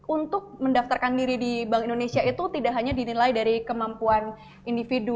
untuk mendaftarkan diri di bank indonesia itu tidak hanya dinilai dari kemampuan individu